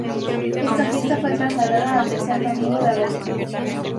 Esta fiesta fue trasladada al Tercer Domingo de agosto.